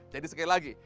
jadi sekali lagi